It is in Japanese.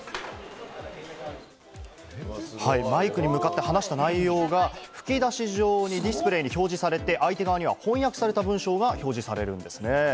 マイクに向かって話した内容が吹き出し状にディスプレイに表示されて、相手側には翻訳された文章が表示されるんですね。